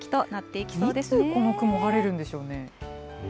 いつ、この雲、晴れるんでしょうね。